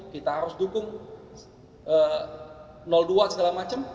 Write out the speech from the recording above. kita harus dukung dua segala macam